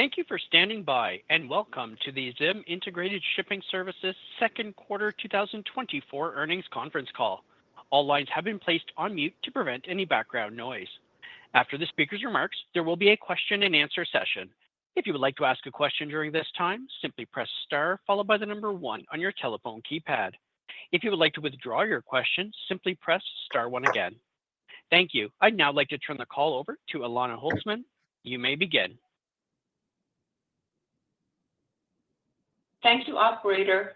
Thank you for standing by, and welcome to the ZIM Integrated Shipping Services Second Quarter 2024 Earnings conference call. All lines have been placed on mute to prevent any background noise. After the speaker's remarks, there will be a question-and-answer session. If you would like to ask a question during this time, simply press star followed by the number one on your telephone keypad. If you would like to withdraw your question, simply press star one again. Thank you. I'd now like to turn the call over to Elana Holzman. You may begin. Thank you, operator,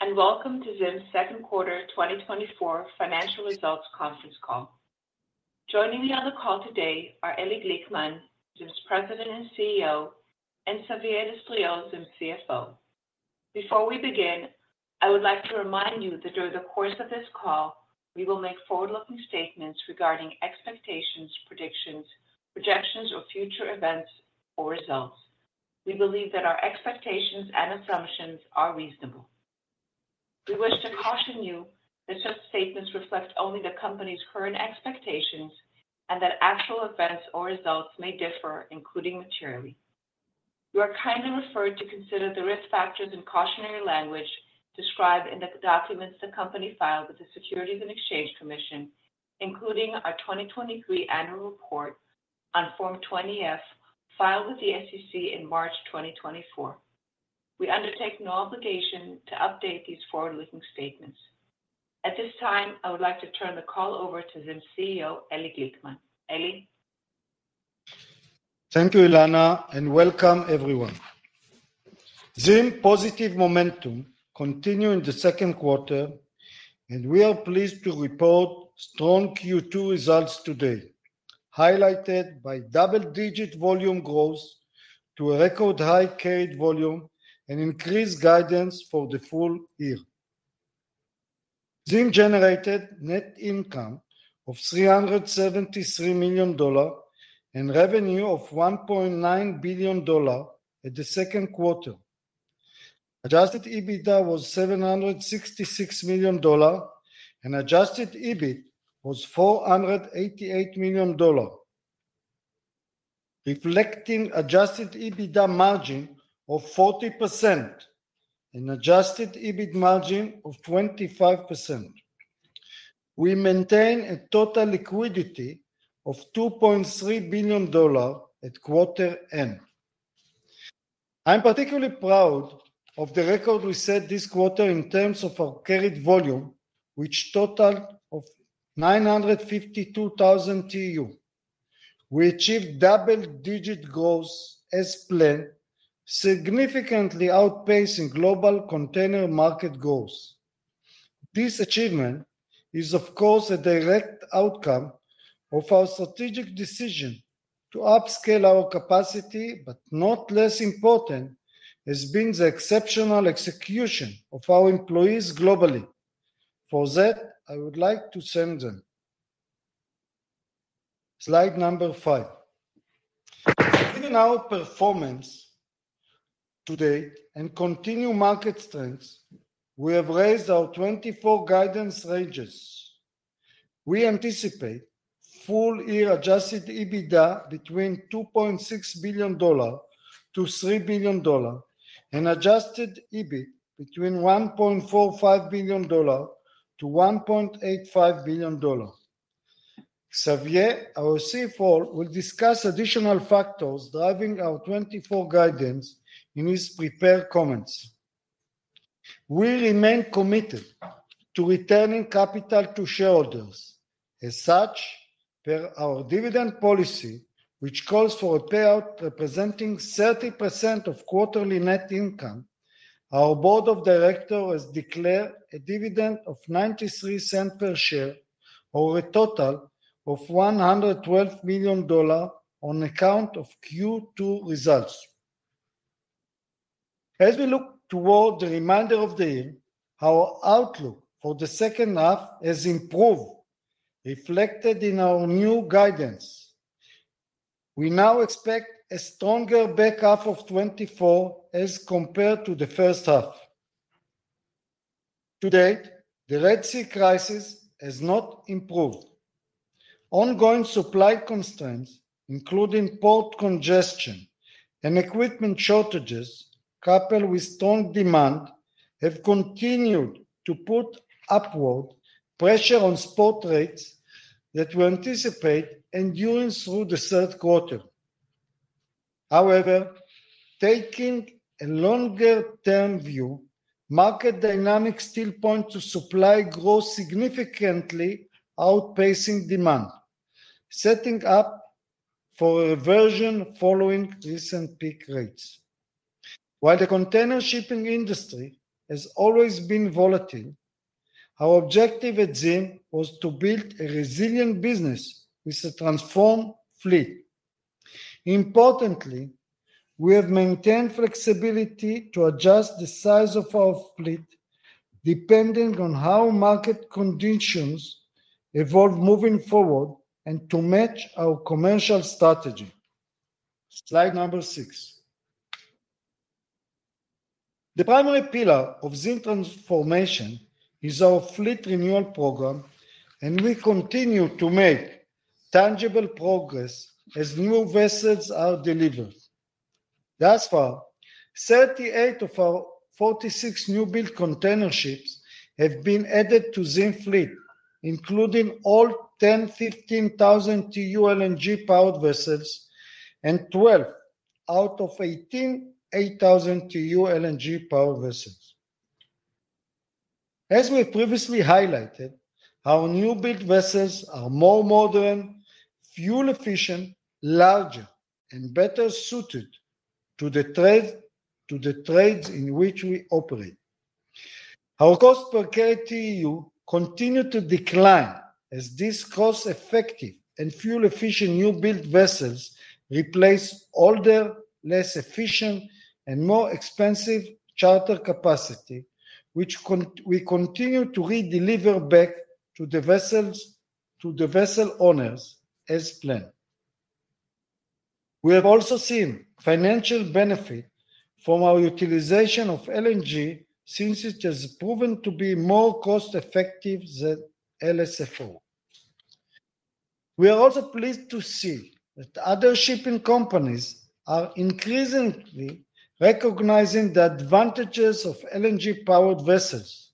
and welcome to ZIM's second quarter 2024 financial results conference call. Joining me on the call today are Eli Glickman, ZIM's President and CEO, and Xavier Destriau, ZIM's CFO. Before we begin, I would like to remind you that during the course of this call, we will make forward-looking statements regarding expectations, predictions, projections, or future events or results. We believe that our expectations and assumptions are reasonable. We wish to caution you that such statements reflect only the company's current expectations and that actual events or results may differ, including materially. You are kindly referred to consider the risk factors and cautionary language described in the documents the company filed with the Securities and Exchange Commission, including our 2023 annual report on Form 20-F, filed with the SEC in March 2024. We undertake no obligation to update these forward-looking statements. At this time, I would like to turn the call over to ZIM's CEO, Eli Glickman. Eli? Thank you, Elana, and welcome everyone. ZIM's positive momentum continued in the second quarter, and we are pleased to report strong Q2 results today, highlighted by double-digit volume growth to a record high carried volume and increased guidance for the full year. ZIM generated net income of $373 million and revenue of $1.9 billion in the second quarter. Adjusted EBITDA was $766 million and adjusted EBIT was $488 million, reflecting adjusted EBITDA margin of 40% and adjusted EBIT margin of 25%. We maintain a total liquidity of $2.3 billion at quarter end. I'm particularly proud of the record we set this quarter in terms of our carried volume, which totaled 952,000 TEU. We achieved double-digit growth as planned, significantly outpacing global container market growth. This achievement is, of course, a direct outcome of our strategic decision to upscale our capacity, but not less important has been the exceptional execution of our employees globally. For that, I would like to thank them. Slide number five. Given our performance today and continued market strengths, we have raised our 2024 guidance ranges. We anticipate full-year adjusted EBITDA between $2.6 billion-$3 billion and adjusted EBIT between $1.45 billion-$1.85 billion. Xavier, our CFO, will discuss additional factors driving our 2024 guidance in his prepared comments. We remain committed to returning capital to shareholders. As such, per our dividend policy, which calls for a payout representing 30% of quarterly net income, our board of directors has declared a dividend of $0.93 per share, or a total of $112 million on account of Q2 results. As we look toward the remainder of the year, our outlook for the second half has improved, reflected in our new guidance. We now expect a stronger back half of 2024 as compared to the first half. To date, the Red Sea crisis has not improved. Ongoing supply constraints, including port congestion and equipment shortages, coupled with strong demand, have continued to put upward pressure on spot rates that we anticipate enduring through the third quarter. However, taking a longer-term view, market dynamics still point to supply growth significantly outpacing demand, setting up for a reversion following recent peak rates. While the container shipping industry has always been volatile, our objective at ZIM was to build a resilient business with a transformed fleet. Importantly, we have maintained flexibility to adjust the size of our fleet depending on how market conditions evolve moving forward and to match our commercial strategy. Slide number six. The primary pillar of ZIM's transformation is our fleet renewal program, and we continue to make tangible progress as new vessels are delivered. Thus far, thirty-eight of our forty-six new build container ships have been added to ZIM fleet, including all ten 15,000 TEU LNG powered vessels, and twelve out of eighteen 8,000 TEU LNG powered vessels. As we previously highlighted, our new build vessels are more modern, fuel efficient, larger, and better suited to the trade, to the trades in which we operate. Our cost per TEU continue to decline as this cost-effective and fuel-efficient new build vessels replace older, less efficient, and more expensive charter capacity, which we continue to redeliver back to the vessels, to the vessel owners as planned. We have also seen financial benefit from our utilization of LNG since it has proven to be more cost-effective than LSFO. We are also pleased to see that other shipping companies are increasingly recognizing the advantages of LNG-powered vessels.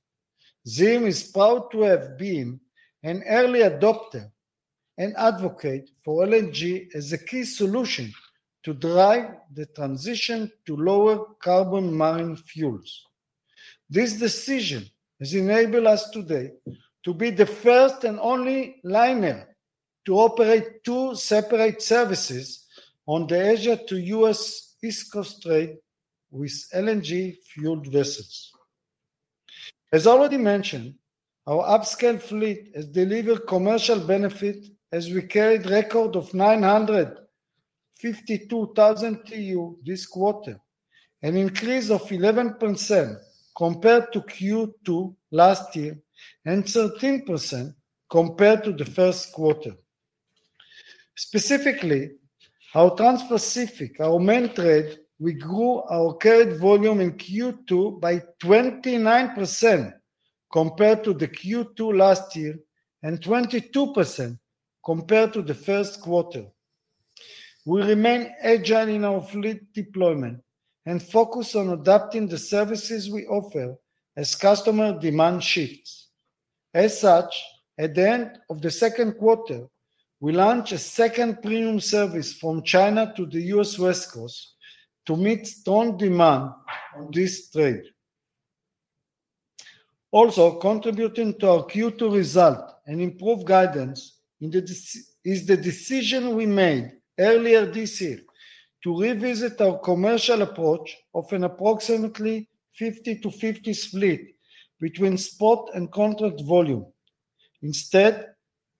ZIM is proud to have been an early adopter and advocate for LNG as a key solution to drive the transition to lower carbon marine fuels. This decision has enabled us today to be the first and only liner to operate two separate services on the Asia to US East Coast trade with LNG-fueled vessels. As already mentioned, our upscaled fleet has delivered commercial benefit as we carried a record of 952,000 TEU this quarter, an increase of 11% compared to Q2 last year, and 13% compared to the first quarter. Specifically, our Transpacific, our main trade, we grew our carried volume in Q2 by 29% compared to the Q2 last year, and 22% compared to the first quarter. We remain agile in our fleet deployment and focus on adapting the services we offer as customer demand shifts. As such, at the end of the second quarter, we launched a second premium service from China to the US West Coast to meet strong demand on this trade. Also, contributing to our Q2 result and improved guidance is the decision we made earlier this year to revisit our commercial approach of an approximately 50-50 split between spot and contract volume. Instead,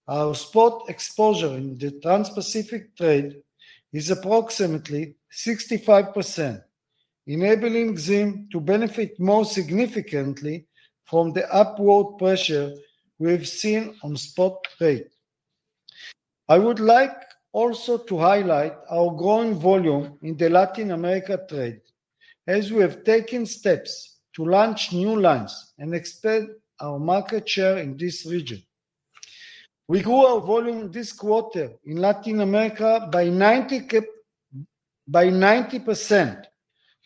our spot exposure in the Transpacific trade is approximately 65%, enabling ZIM to benefit more significantly from the upward pressure we have seen on spot trade. I would like also to highlight our growing volume in the Latin America trade, as we have taken steps to launch new lines and expand our market share in this region. We grew our volume this quarter in Latin America by 90%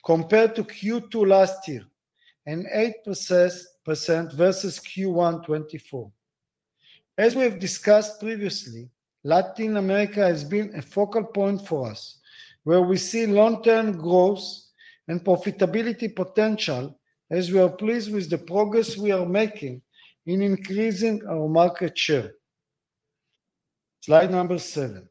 compared to Q2 last year, and 8% versus Q1 2024. As we have discussed previously, Latin America has been a focal point for us, where we see long-term growth and profitability potential, as we are pleased with the progress we are making in increasing our market share. Slide number seven.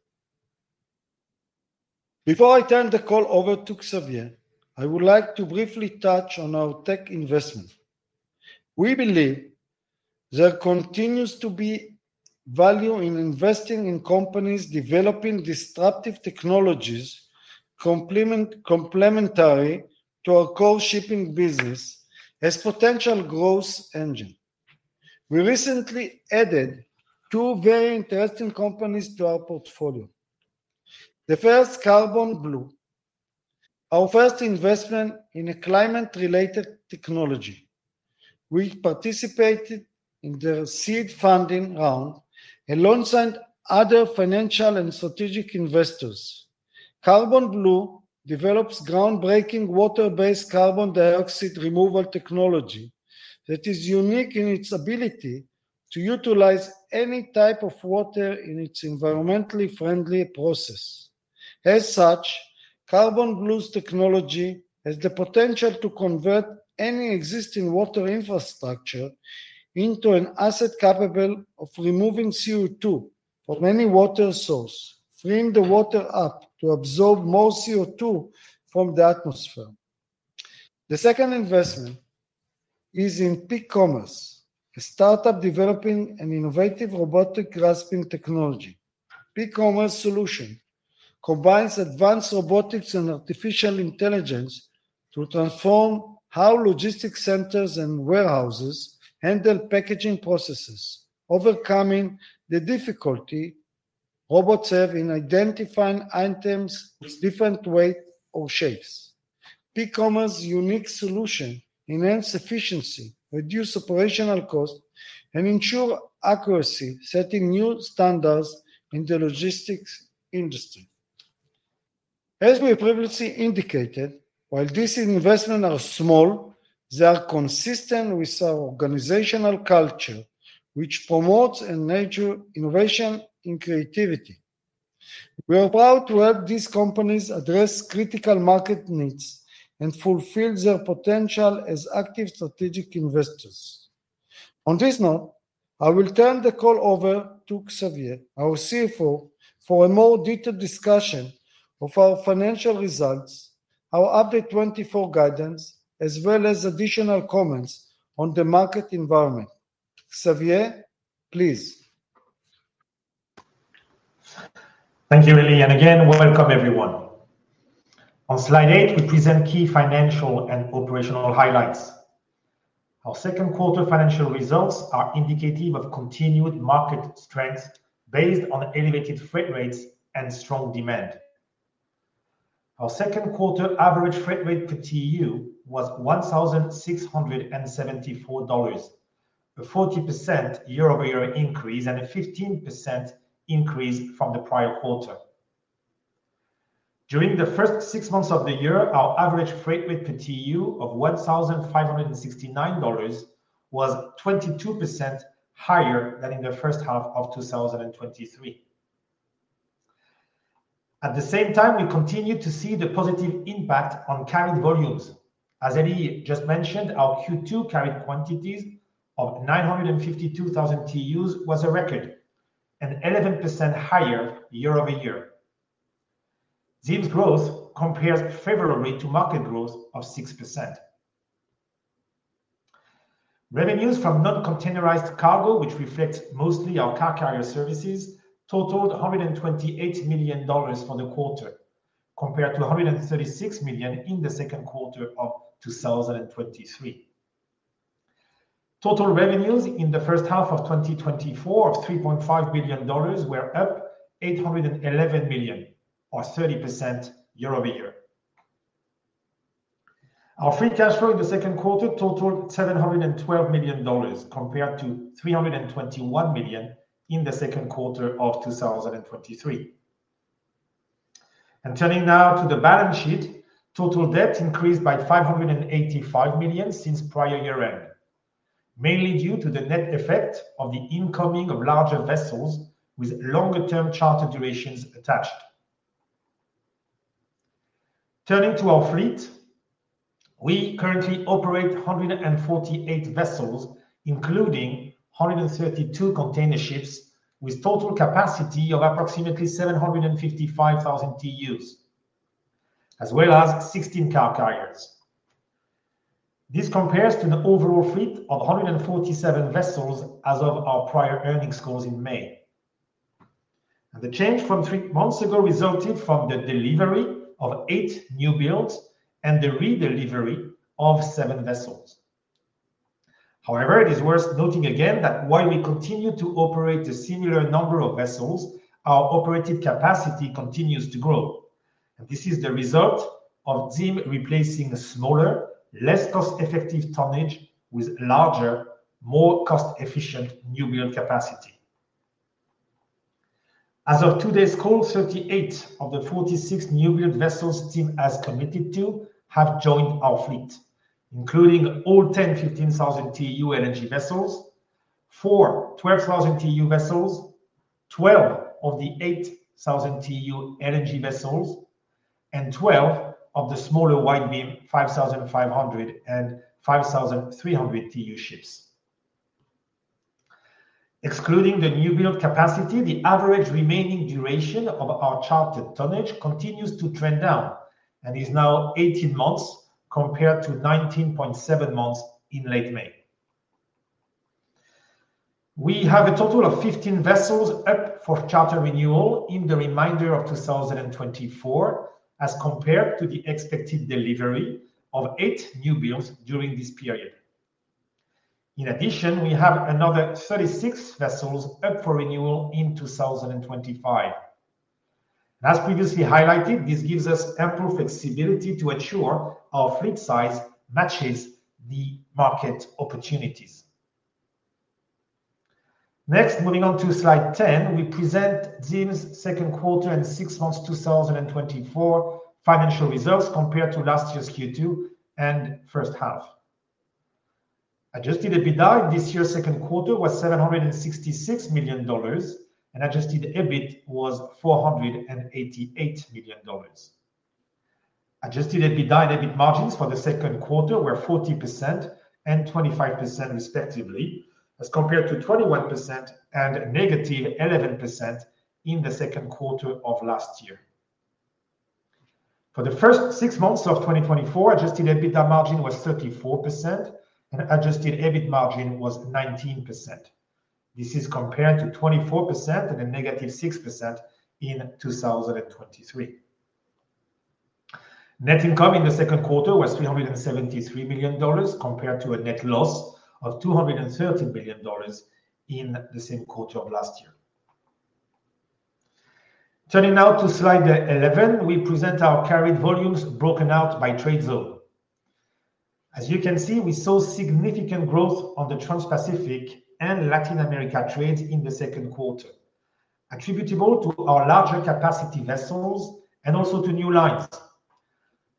Before I turn the call over to Xavier, I would like to briefly touch on our tech investment. We believe there continues to be value in investing in companies developing disruptive technologies, complementary to our core shipping business as potential growth engine. We recently added two very interesting companies to our portfolio. The first, CarbonBlue, our first investment in a climate-related technology. We participated in their seed funding round alongside other financial and strategic investors. CarbonBlue develops groundbreaking water-based carbon dioxide removal technology that is unique in its ability to utilize any type of water in its environmentally friendly process. As such, CarbonBlue's technology has the potential to convert any existing water infrastructure into an asset capable of removing CO2 from any water source, freeing the water up to absorb more CO2 from the atmosphere. The second investment is in Pickommerce, a startup developing an innovative robotic grasping technology. Pickommerce solution combines advanced robotics and artificial intelligence to transform how logistics centers and warehouses handle packaging processes, overcoming the difficulty of robots have in identifying items with different weight or shapes. Pickommerce unique solution enhance efficiency, reduce operational costs, and ensure accuracy, setting new standards in the logistics industry. As we previously indicated, while these investments are small, they are consistent with our organizational culture, which promotes and nurture innovation and creativity. We are proud to help these companies address critical market needs and fulfill their potential as active strategic investors. On this note, I will turn the call over to Xavier, our CFO, for a more detailed discussion of our financial results, our updated 2024 guidance, as well as additional comments on the market environment. Xavier, please. Thank you, Eli, and again, welcome everyone. On slide 8, we present key financial and operational highlights. Our second quarter financial results are indicative of continued market strength based on elevated freight rates and strong demand. Our second quarter average freight rate per TEU was $1,674, a 40% year-over-year increase and a 15% increase from the prior quarter. During the first six months of the year, our average freight rate per TEU of $1,569 was 22% higher than in the first half of 2023. At the same time, we continued to see the positive impact on carried volumes. As Eli just mentioned, our Q2 carried quantities of 952,000 TEUs was a record, and 11% higher year over year. ZIM's growth compares favorably to market growth of 6%. Revenues from non-containerized cargo, which reflects mostly our car carrier services, totaled $128 million for the quarter, compared to $136 million in the second quarter of 2023. Total revenues in the first half of 2024 of $3.5 billion were up $811 million, or 30% year over year. Our free cash flow in the second quarter totaled $712 million, compared to $321 million in the second quarter of 2023. And turning now to the balance sheet, total debt increased by $585 million since prior year end, mainly due to the net effect of the incoming of larger vessels with longer-term charter durations attached. Turning to our fleet, we currently operate 148 vessels, including 132 container ships, with total capacity of approximately 755,000 TEUs, as well as 16 car carriers. This compares to an overall fleet of 147 vessels as of our prior earnings calls in May. And the change from three months ago resulted from the delivery of 8 new builds and the redelivery of 7 vessels. However, it is worth noting again that while we continue to operate a similar number of vessels, our operative capacity continues to grow. This is the result of ZIM replacing a smaller, less cost-effective tonnage with larger, more cost-efficient newbuild capacity. As of today's call, 38 of the 46 newbuild vessels ZIM has committed to have joined our fleet, including all 10 15,000 TEU LNG vessels, four 12,000 TEU vessels, 12 of the 8,000 TEU LNG vessels, and 12 of the smaller wide beam 5,500 and 5,300 TEU ships. Excluding the newbuild capacity, the average remaining duration of our chartered tonnage continues to trend down and is now 18 months, compared to 19.7 months in late May. We have a total of 15 vessels up for charter renewal in the remainder of 2024, as compared to the expected delivery of eight new builds during this period. In addition, we have another 36 vessels up for renewal in 2025. As previously highlighted, this gives us improved flexibility to ensure our fleet size matches the market opportunities. Next, moving on to slide 10, we present ZIM's second quarter and six months 2024 financial results compared to last year's Q2 and first half. Adjusted EBITDA this year's second quarter was $766 million, and adjusted EBIT was $488 million. Adjusted EBITDA and EBIT margins for the second quarter were 40% and 25%, respectively, as compared to 21% and -11% in the second quarter of last year. For the first six months of 2024, adjusted EBITDA margin was 34% and adjusted EBIT margin was 19%. This is compared to 24% and -6% in 2023. Net income in the second quarter was $373 billion, compared to a net loss of $230 billion in the same quarter of last year. Turning now to slide 11, we present our carried volumes broken out by trade zone. As you can see, we saw significant growth on the Transpacific and Latin America trades in the second quarter, attributable to our larger capacity vessels and also to new lines.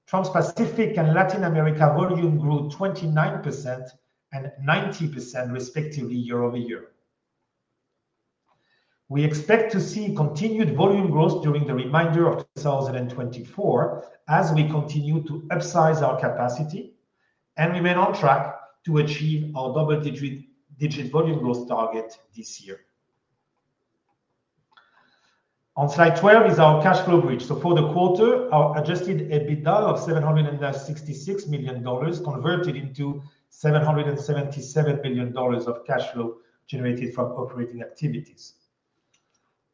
Transpacific and Latin America volume grew 29% and 90% respectively, year-over-year. We expect to see continued volume growth during the remainder of 2024 as we continue to upsize our capacity, and we remain on track to achieve our double-digit volume growth target this year. On slide 12 is our cash flow bridge. So for the quarter, our Adjusted EBITDA of $766 million converted into $777 million of cash flow generated from operating activities.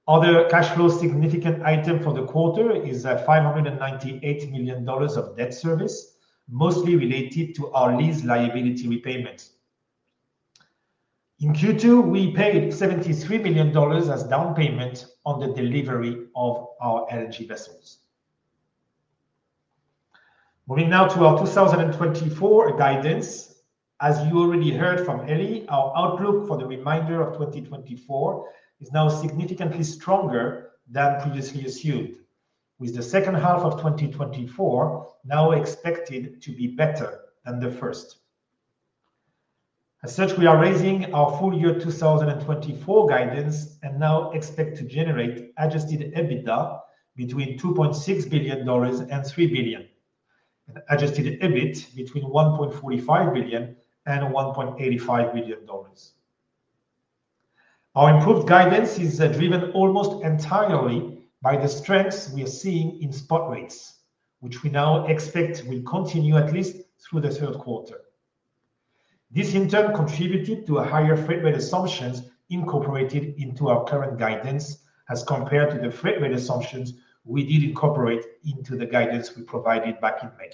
Other cash flow significant item for the quarter is five hundred and ninety-eight million dollars of debt service, mostly related to our lease liability repayment. In Q2, we paid $73 million as down payment on the delivery of our LNG vessels. Moving now to our 2024 guidance. As you already heard from Eli, our outlook for the remainder of 2024 is now significantly stronger than previously assumed, with the second half of 2024 now expected to be better than the first. As such, we are raising our full-year 2024 guidance and now expect to generate Adjusted EBITDA between $2.6 billion and $3 billion, and Adjusted EBIT between $1.45 billion and $1.85 billion. Our improved guidance is, driven almost entirely by the strengths we are seeing in spot rates, which we now expect will continue at least through the third quarter. This, in turn, contributed to a higher freight rate assumptions incorporated into our current guidance as compared to the freight rate assumptions we did incorporate into the guidance we provided back in May.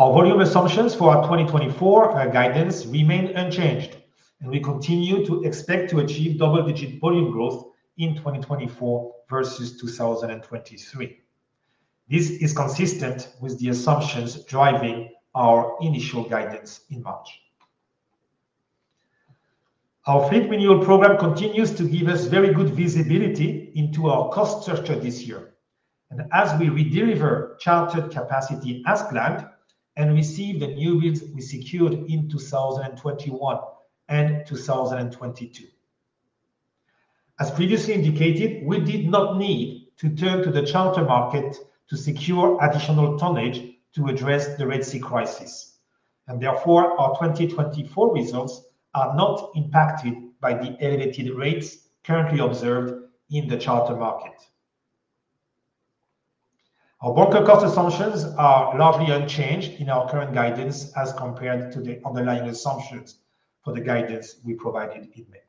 Our volume assumptions for our 2024 guidance remain unchanged, and we continue to expect to achieve double-digit volume growth in 2024 versus 2023. This is consistent with the assumptions driving our initial guidance in March. Our fleet renewal program continues to give us very good visibility into our cost structure this year. And as we redeliver chartered capacity as planned and receive the new builds we secured in 2021 and 2022. As previously indicated, we did not need to turn to the charter market to secure additional tonnage to address the Red Sea crisis, and therefore our 2024 results are not impacted by the elevated rates currently observed in the charter market. Our vessel cost assumptions are largely unchanged in our current guidance as compared to the underlying assumptions for the guidance we provided in May.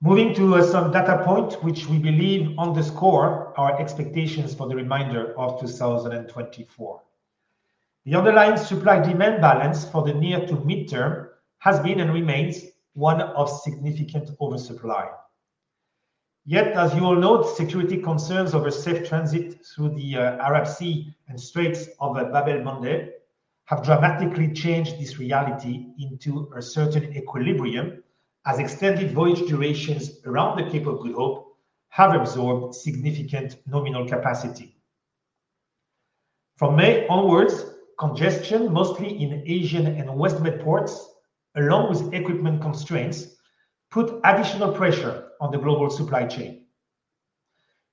Moving to some data point, which we believe underscore our expectations for the remainder of 2024. The underlying supply-demand balance for the near to mid-term has been and remains one of significant oversupply. Yet, as you all know, security concerns over safe transit through the Arabian Sea and Strait of Bab el-Mandeb have dramatically changed this reality into a certain equilibrium, as extended voyage durations around the Cape of Good Hope have absorbed significant nominal capacity. From May onwards, congestion, mostly in Asian and West Med ports, along with equipment constraints, put additional pressure on the global supply chain.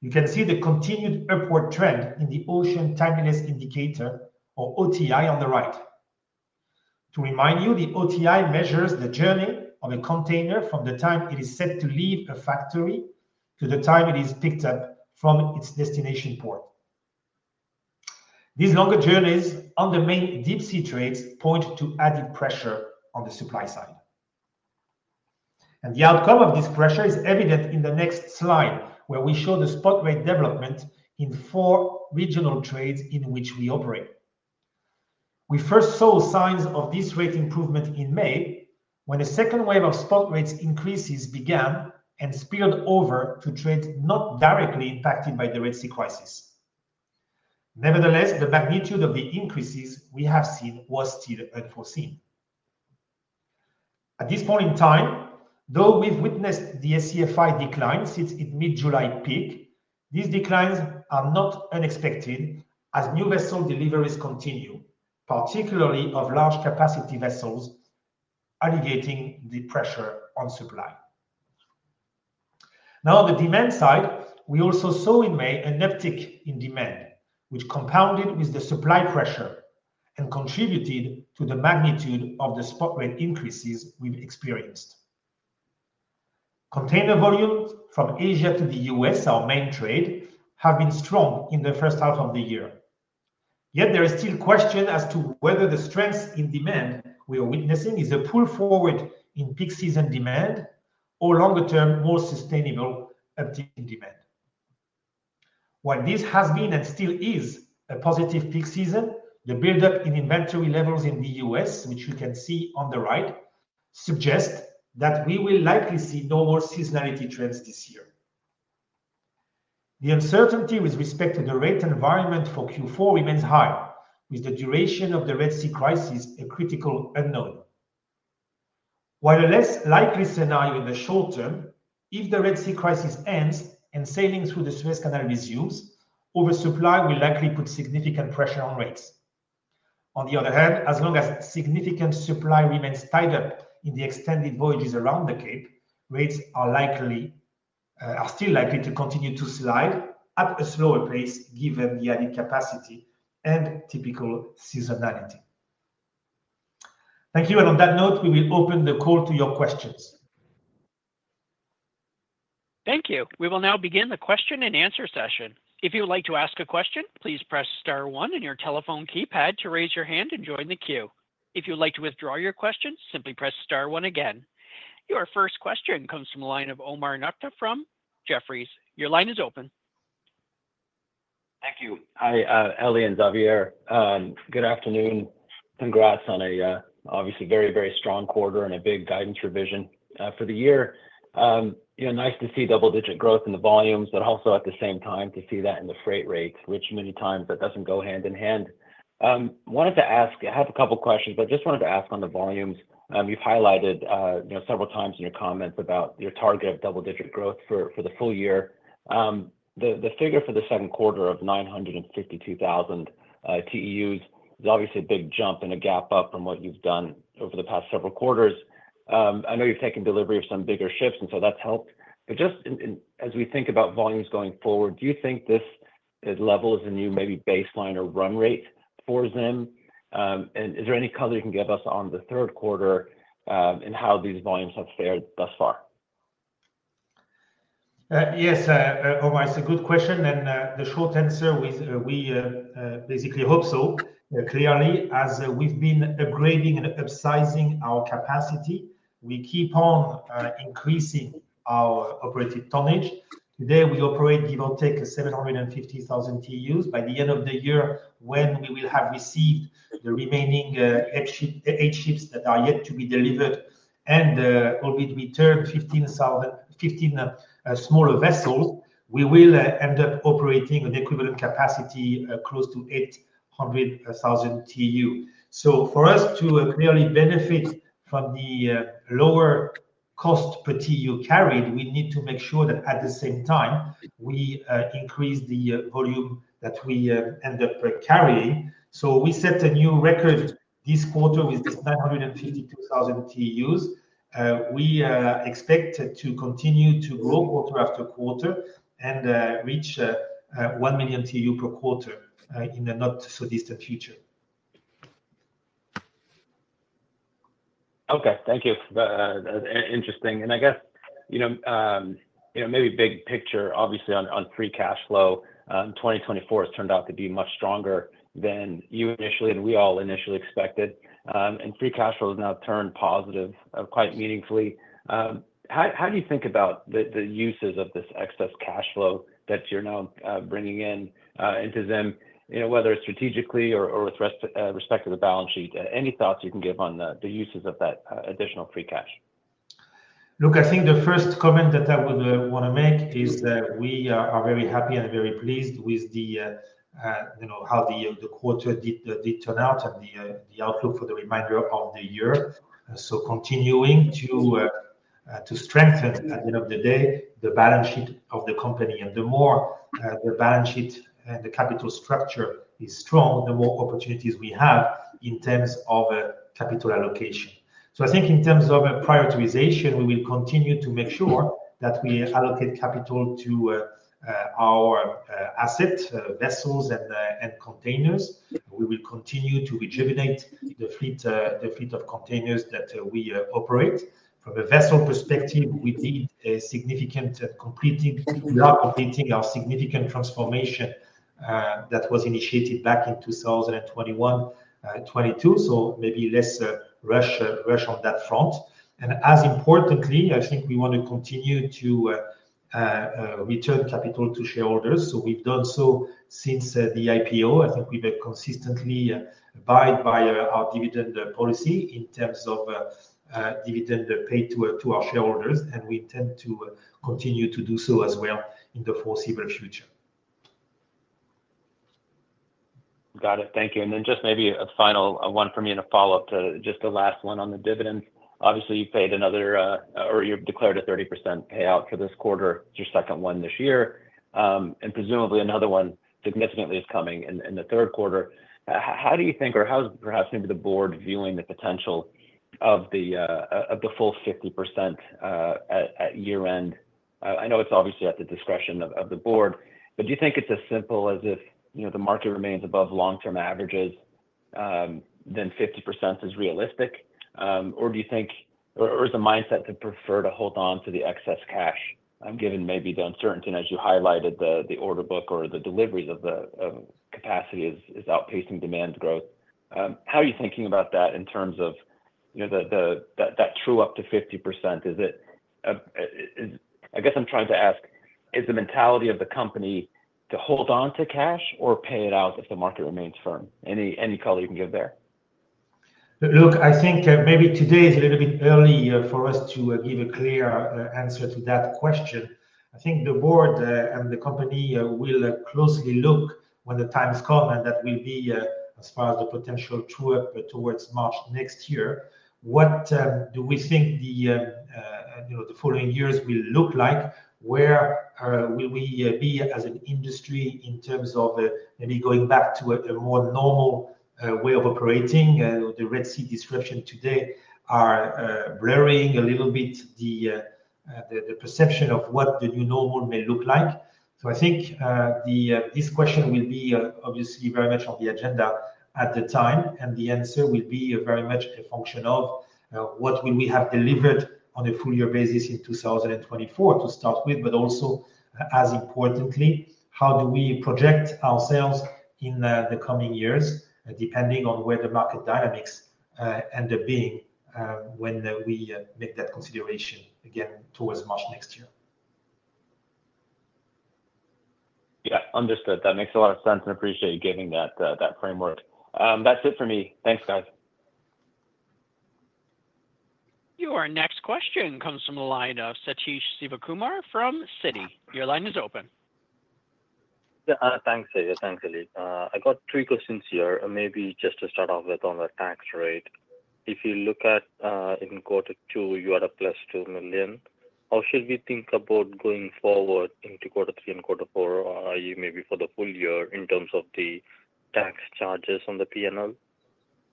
You can see the continued upward trend in the Ocean Timeliness Indicator, or OTI, on the right. To remind you, the OTI measures the journey of a container from the time it is set to leave a factory to the time it is picked up from its destination port. These longer journeys on the main deep-sea trades point to added pressure on the supply side. The outcome of this pressure is evident in the next slide, where we show the spot rate development in four regional trades in which we operate. We first saw signs of this rate improvement in May, when a second wave of spot rates increases began and spilled over to trades not directly impacted by the Red Sea crisis. Nevertheless, the magnitude of the increases we have seen was still unforeseen. At this point in time, though we've witnessed the SCFI decline since its mid-July peak, these declines are not unexpected, as new vessel deliveries continue, particularly of large capacity vessels, alleviating the pressure on supply. Now, on the demand side, we also saw in May an uptick in demand, which compounded with the supply pressure and contributed to the magnitude of the spot rate increases we've experienced. Container volumes from Asia to the US, our main trade, have been strong in the first half of the year. Yet there is still question as to whether the strength in demand we are witnessing is a pull forward in peak season demand, or longer term, more sustainable uptick in demand. While this has been, and still is, a positive peak season, the build-up in inventory levels in the US, which you can see on the right, suggests that we will likely see normal seasonality trends this year. The uncertainty with respect to the rate environment for Q4 remains high, with the duration of the Red Sea crisis a critical unknown. While a less likely scenario in the short term, if the Red Sea crisis ends and sailing through the Suez Canal resumes, oversupply will likely put significant pressure on rates. On the other hand, as long as significant supply remains tied up in the extended voyages around the Cape, rates are likely, are still likely to continue to slide at a slower pace, given the added capacity and typical seasonality. Thank you. And on that note, we will open the call to your questions. Thank you. We will now begin the question and answer session. If you would like to ask a question, please press star one on your telephone keypad to raise your hand and join the queue. If you'd like to withdraw your question, simply press star one again. Your first question comes from the line of Omar Nokta from Jefferies. Your line is open. Thank you. Hi, Eli and Xavier. Good afternoon. Congrats on a obviously very, very strong quarter and a big guidance revision for the year. You know, nice to see double-digit growth in the volumes, but also at the same time to see that in the freight rates, which many times that doesn't go hand in hand. Wanted to ask. I have a couple questions, but just wanted to ask on the volumes. You've highlighted, you know, several times in your comments about your target of double-digit growth for the full year. The figure for the second quarter of 952,000 TEUs is obviously a big jump and a gap up from what you've done over the past several quarters. I know you've taken delivery of some bigger ships, and so that's helped. But just in, as we think about volumes going forward, do you think this level is a new maybe baseline or run rate for ZIM? And is there any color you can give us on the third quarter, and how these volumes have fared thus far? Yes, Omar, it's a good question, and the short answer is we basically hope so. Clearly, as we've been upgrading and upsizing our capacity, we keep on increasing our operated tonnage. Today, we operate, give or take, 750,000 TEUs. By the end of the year, when we will have received the remaining eight ships that are yet to be delivered and will be returned 15,000 TEU smaller vessels, we will end up operating an equivalent capacity close to 800,000 TEU. So for us to clearly benefit from the lower cost per TEU carried, we need to make sure that at the same time, we increase the volume that we end up carrying. We set a new record this quarter with this nine hundred and fifty-two thousand TEUs. We expect to continue to grow quarter after quarter and reach one million TEU per quarter in the not-so-distant future. Okay. Thank you for the interesting. And I guess, you know, you know, maybe big picture, obviously on free cash flow, twenty twenty-four has turned out to be much stronger than you initially, and we all initially expected. And free cash flow has now turned positive, quite meaningfully. How do you think about the uses of this excess cash flow that you're now bringing in into ZIM? You know, whether strategically or with respect to the balance sheet. Any thoughts you can give on the uses of that additional free cash? Look, I think the first comment that I would wanna make is that we are very happy and very pleased with the you know how the quarter did turn out and the outlook for the remainder of the year. So continuing to strengthen, at the end of the day, the balance sheet of the company. And the more the balance sheet and the capital structure is strong, the more opportunities we have in terms of capital allocation. So I think in terms of a prioritization, we will continue to make sure that we allocate capital to our asset vessels and containers. We will continue to rejuvenate the fleet of containers that we operate. From a vessel perspective, we did a significant completing, we are completing our significant transformation, that was initiated back in 2021, 2022, so maybe less rush on that front. And as importantly, I think we want to continue to return capital to shareholders. So we've done so since the IPO. I think we will consistently abide by our dividend policy in terms of dividend paid to our shareholders, and we tend to continue to do so as well in the foreseeable future. Got it. Thank you. And then just maybe a final one for me and a follow-up to just the last one on the dividend. Obviously, you paid another, or you've declared a 30% payout for this quarter, it's your second one this year. And presumably another one significantly is coming in, in the third quarter. How do you think, or how is perhaps maybe the board viewing the potential of the, of the full 50%, at, at year-end? I know it's obviously at the discretion of, of the board, but do you think it's as simple as if, you know, the market remains above long-term averages? Than 50% is realistic, or do you think or is the mindset to prefer to hold on to the excess cash, given maybe the uncertainty and as you highlighted, the order book or the deliveries of the capacity is outpacing demand growth? How are you thinking about that in terms of, you know, that true up to 50%? Is it, I guess I'm trying to ask, is the mentality of the company to hold on to cash or pay it out if the market remains firm? Any color you can give there. Look, I think maybe today is a little bit early for us to give a clear answer to that question. I think the board and the company will closely look when the time has come, and that will be as far as the potential towards March next year. What do we think, you know, the following years will look like? Where will we be as an industry in terms of maybe going back to a more normal way of operating? The Red Sea disruption today are blurring a little bit the perception of what the new normal may look like. So, I think this question will be obviously very much on the agenda at the time, and the answer will be very much a function of what will we have delivered on a full year basis in two thousand and twenty-four to start with, but also, as importantly, how do we project ourselves in the coming years, depending on where the market dynamics end up being when we make that consideration again towards March next year. Yeah, understood. That makes a lot of sense, and appreciate you giving that, that framework. That's it for me. Thanks, guys. Your next question comes from the line of Sathish Sivakumar from Citi. Your line is open. Yeah. Thanks. Thanks, Elana. I got three questions here. Maybe just to start off with on the tax rate. If you look at in quarter two, you had a +$2 million. How should we think about going forward into quarter three and quarter four, or maybe for the full year in terms of the tax charges on the P&L?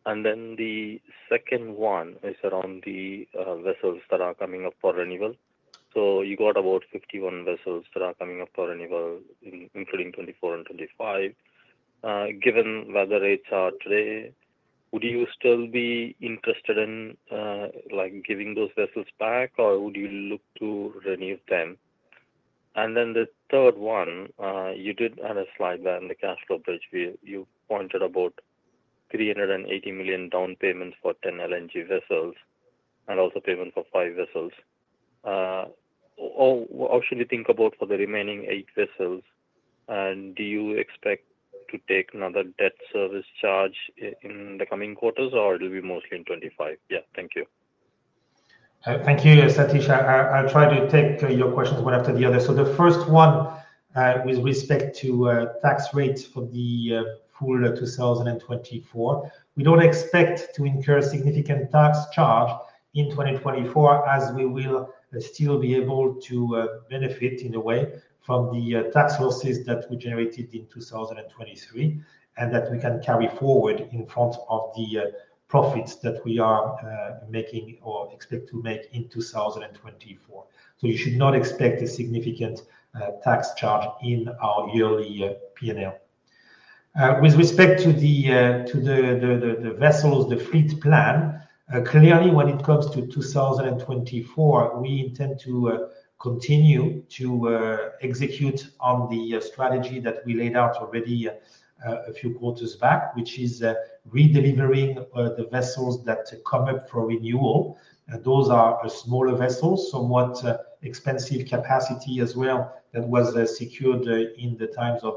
And then the second one is around the vessels that are coming up for renewal. So you got about 51 vessels that are coming up for renewal, including 2024 and 2025. Given where the rates are today, would you still be interested in like giving those vessels back, or would you look to renew them? And then the third one, you did have a slide there in the cash flow bridge view. You pointed about $380 million down payments for 10 LNG vessels and also payment for five vessels. How should you think about for the remaining eight vessels, and do you expect to take another debt service charge in the coming quarters, or it will be mostly in 2025? Yeah. Thank you. Thank you, Satish. I'll try to take your questions one after the other. So the first one, with respect to tax rates for the full two thousand and twenty-four, we don't expect to incur significant tax charge in twenty twenty-four, as we will still be able to benefit in a way from the tax losses that we generated in two thousand and twenty-three, and that we can carry forward in front of the profits that we are making or expect to make in two thousand and twenty-four. So you should not expect a significant tax charge in our yearly P&L. With respect to the vessels, the fleet plan, clearly, when it comes to two thousand and twenty-four, we intend to continue to execute on the strategy that we laid out already a few quarters back, which is redelivering the vessels that come up for renewal. Those are smaller vessels, somewhat expensive capacity as well, that was secured in the times of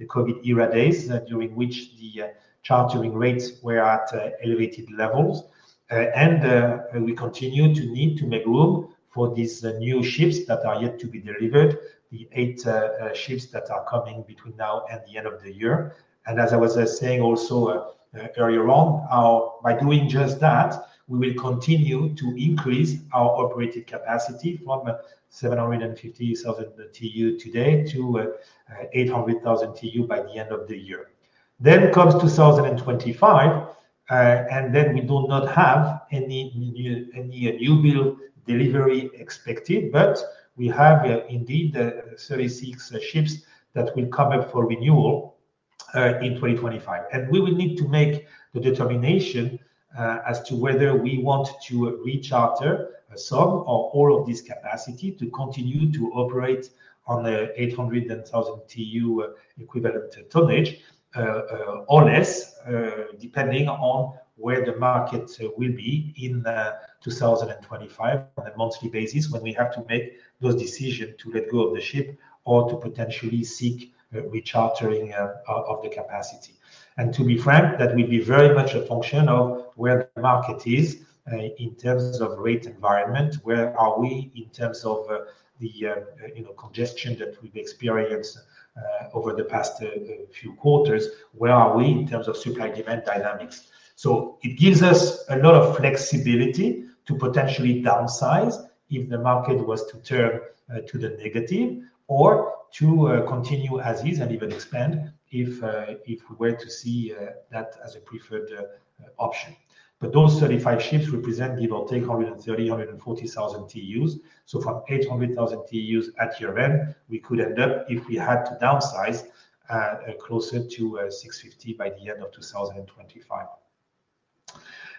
the COVID era days, during which the chartering rates were at elevated levels. And we continue to need to make room for these new ships that are yet to be delivered, the eight ships that are coming between now and the end of the year. As I was saying also, earlier on, by doing just that, we will continue to increase our operated capacity from 750,000 TEU today to 800,000 TEU by the end of the year. Then comes 2025, and then we do not have any new build delivery expected, but we have indeed the 36 ships that will come up for renewal in 2025. And we will need to make the determination, as to whether we want to recharter some or all of this capacity to continue to operate on the 800,000 TEU equivalent tonnage, or less, depending on where the market will be in 2025 on a monthly basis, when we have to make those decisions to let go of the ship or to potentially seek rechartering of the capacity. And to be frank, that will be very much a function of where the market is, in terms of rate environment, where are we in terms of the you know congestion that we've experienced over the past few quarters? Where are we in terms of supply, demand dynamics? It gives us a lot of flexibility to potentially downsize if the market was to turn to the negative, or to continue as is and even expand, if we were to see that as a preferred option. But those 35 ships represent give or take 130,000-140,000 TEUs. So from 800,000 TEUs at year-end, we could end up, if we had to downsize, closer to 650 by the end of 2025.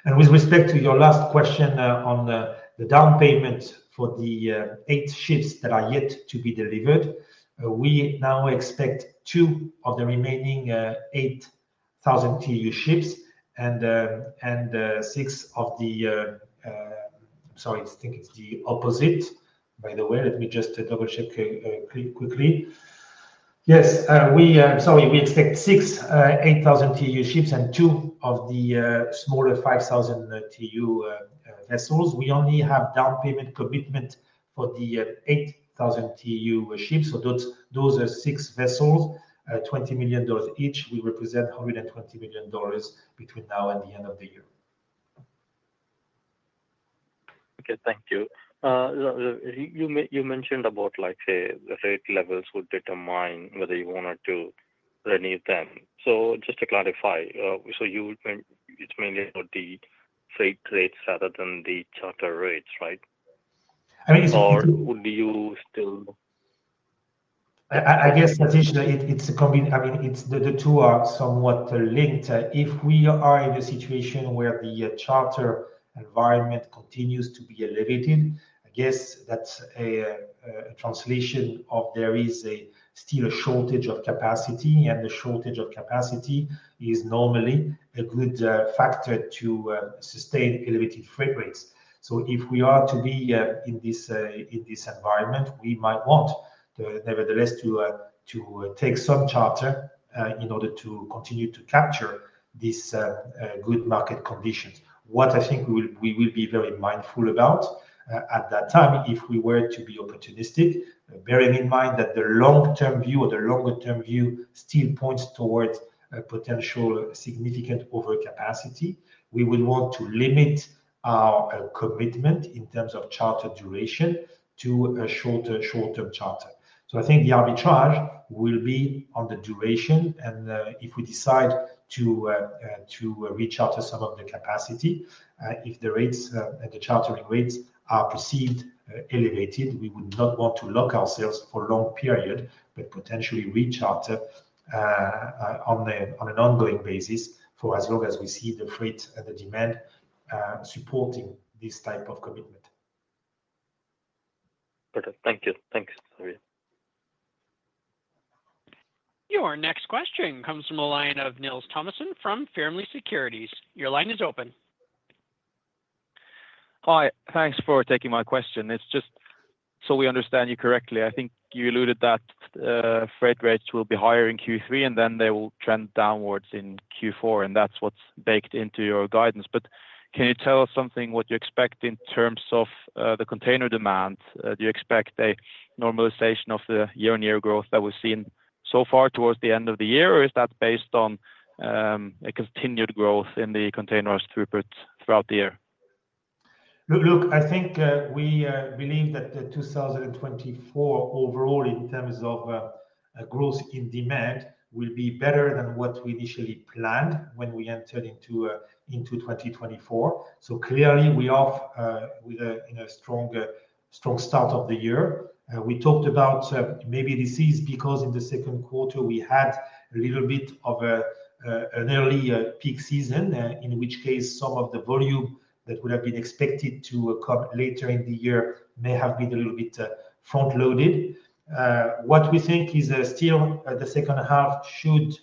And with respect to your last question on the down payment for the eight ships that are yet to be delivered, we now expect two of the remaining 8,000 TEU ships and six of the... Sorry, I think it's the opposite. By the way, let me just double-check, quickly. Yes, sorry, we expect six 8,000 TEU ships and two of the smaller 5,000 TEU vessels. We only have down payment commitment for the 8,000 TEU ships, so those are six vessels. $20 million each will represent $120 million between now and the end of the year. Okay, thank you. You mentioned about, like, say, the freight levels would determine whether you want to renew them. So just to clarify, so you mean it's mainly about the freight rates rather than the charter rates, right? I think- Or would you still...? I guess, Satish, it's a combination, I mean, it's the two are somewhat linked. If we are in a situation where the charter environment continues to be elevated, I guess that's a translation of there is still a shortage of capacity, and the shortage of capacity is normally a good factor to sustain elevated freight rates. So if we are to be in this environment, we might want to, nevertheless, to take some charter in order to continue to capture this good market conditions. What I think we will be very mindful about at that time, if we were to be opportunistic, bearing in mind that the long-term view or the longer-term view still points towards a potential significant overcapacity, we will want to limit our commitment in terms of charter duration to a shorter short-term charter. So I think the arbitrage will be on the duration, and if we decide to recharter some of the capacity, if the rates, the chartering rates are perceived elevated, we would not want to lock ourselves for a long period, but potentially recharter on an ongoing basis for as long as we see the freight and the demand supporting this type of commitment. Okay. Thank you. Thanks, Xavier. Your next question comes from the line of Nils Thomassen from Fearnley Securities. Your line is open. Hi, thanks for taking my question. It's just so we understand you correctly, I think you alluded that, freight rates will be higher in Q3, and then they will trend downwards in Q4, and that's what's baked into your guidance. But can you tell us something what you expect in terms of, the container demand? Do you expect a normalization of the year-on-year growth that we've seen so far towards the end of the year, or is that based on, a continued growth in the container throughput throughout the year? Look, look, I think we believe that the two thousand and twenty-four overall, in terms of growth in demand, will be better than what we initially planned when we entered into twenty twenty-four. So clearly, we are with a stronger strong start of the year. We talked about maybe this is because in the second quarter we had a little bit of an early peak season, in which case, some of the volume that would have been expected to come later in the year may have been a little bit front-loaded. What we think is still the second half should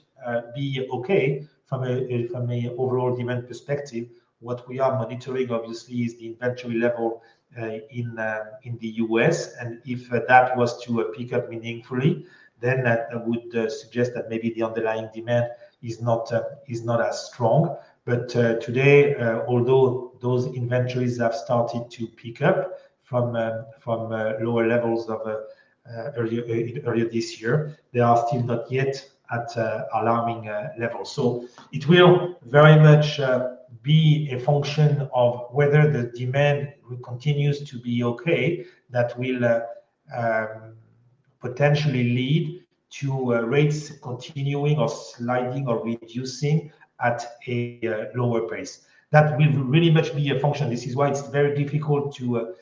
be okay from a overall demand perspective. What we are monitoring, obviously, is the inventory level in the U.S. And if that was to pick up meaningfully, then that would suggest that maybe the underlying demand is not as strong. But today, although those inventories have started to pick up from lower levels of earlier this year, they are still not yet at alarming level. So it will very much be a function of whether the demand continues to be okay, that will potentially lead to rates continuing or sliding or reducing at a lower pace. That will very much be a function. This is why it's very difficult to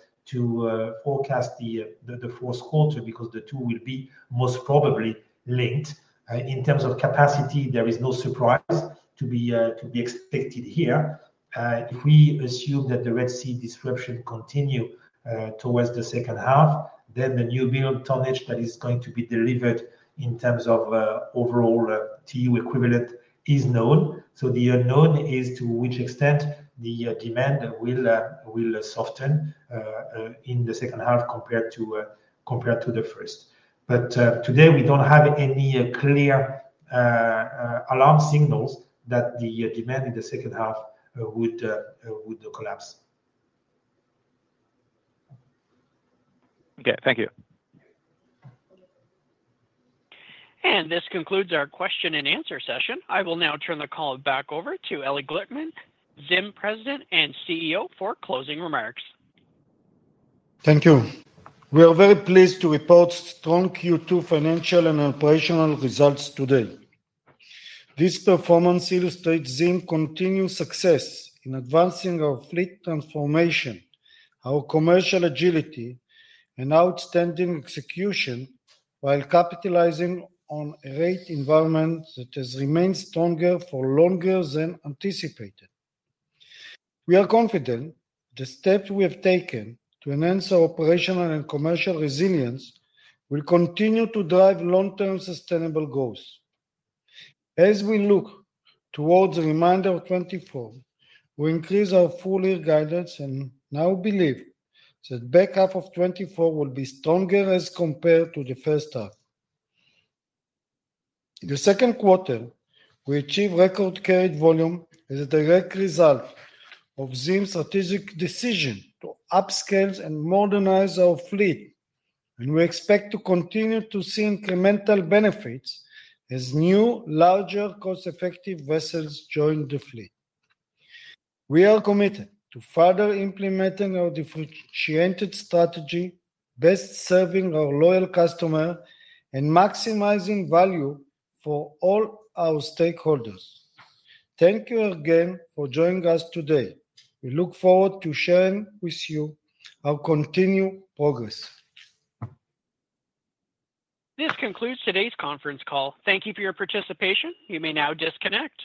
forecast the fourth quarter, because the two will be most probably linked. In terms of capacity, there is no surprise to be expected here. If we assume that the Red Sea disruption continue towards the second half, then the new build tonnage that is going to be delivered in terms of overall TEU equivalent is known. So the unknown is to which extent the demand will soften in the second half compared to the first. But today, we don't have any clear alarm signals that the demand in the second half would collapse. Okay. Thank you. This concludes our question and answer session. I will now turn the call back over to Eli Glickman, ZIM President and CEO, for closing remarks. Thank you. We are very pleased to report strong Q2 financial and operational results today. This performance illustrates ZIM's continued success in advancing our fleet transformation, our commercial agility, and outstanding execution, while capitalizing on a rate environment that has remained stronger for longer than anticipated. We are confident the steps we have taken to enhance our operational and commercial resilience will continue to drive long-term sustainable growth. As we look towards the remainder of twenty-four, we increase our full year guidance and now believe that back half of twenty-four will be stronger as compared to the first half. In the second quarter, we achieved record carried volume as a direct result of ZIM's strategic decision to upscale and modernize our fleet, and we expect to continue to see incremental benefits as new, larger, cost-effective vessels join the fleet. We are committed to further implementing our differentiated strategy, best serving our loyal customer, and maximizing value for all our stakeholders. Thank you again for joining us today. We look forward to sharing with you our continued progress. This concludes today's conference call. Thank you for your participation. You may now disconnect.